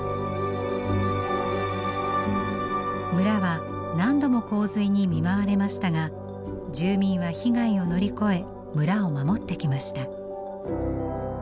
村は何度も洪水に見舞われましたが住民は被害を乗り越え村を守ってきました。